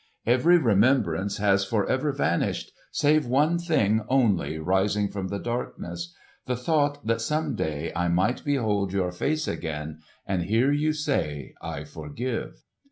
Every remembrance has forever vanished save one thing only rising from the darkness,—the thought that some day I might behold your face again and hear you say, 'I forgive.